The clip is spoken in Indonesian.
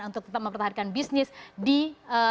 untuk tetap mempertahankan bisnis di